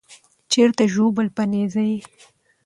چیرته ژوبل په نېزه یې